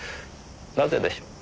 なぜでしょう？